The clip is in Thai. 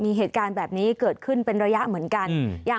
มีเหตุการณ์แบบนี้เกิดขึ้นเป็นระยะเหมือนกัน